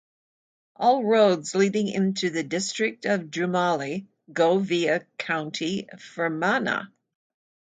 All roads leading into the district of Drummully go via County Fermanagh.